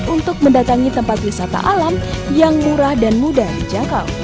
untuk mendatangi tempat wisata alam yang murah dan mudah dijangkau